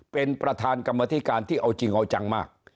เป็นประธานกรรมธิการที่เอาจริงเอาจังมาก